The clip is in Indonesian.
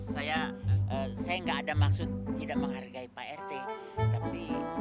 saya tidak ada maksud tidak menghargai pak rt tapi